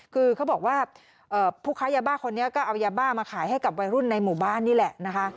คือเขาบอกว่าผู้ค้ายาบ้าคนนี้ก็เอายาบ้ามาขายให้กับวัยรุ่นในหมู่บ้านนี่แหละนะคะ